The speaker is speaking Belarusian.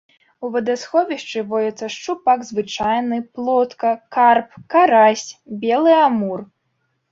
У вадасховішчы водзяцца шчупак звычайны, плотка, карп, карась, белы амур.